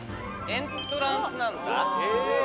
エントランスなんだ。